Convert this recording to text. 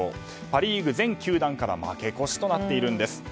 パ・リーグ全球団から負け越しとなっているんです。